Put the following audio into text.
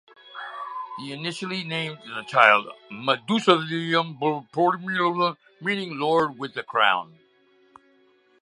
They initially named the child Mudisoodum Perumal, meaning "Lord with a crown".